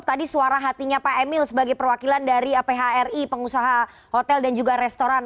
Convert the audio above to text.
tadi suara hatinya pak emil sebagai perwakilan dari phri pengusaha hotel dan juga restoran